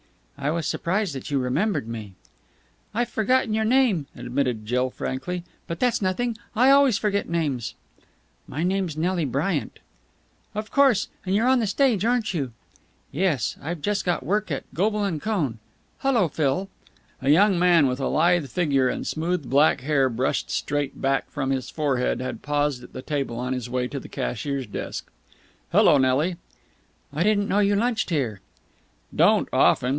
"I was surprised that you remembered me." "I've forgotten your name," admitted Jill frankly. "But that's nothing. I always forget names." "My name's Nelly Bryant." "Of course. And you're on the stage, aren't you?" "Yes. I've just got work with Goble and Cohn.... Hullo, Phil!" A young man with a lithe figure and smooth black hair brushed straight back from his forehead had paused at the table on his way to the cashier's desk. "Hello, Nelly." "I didn't know you lunched here." "Don't often.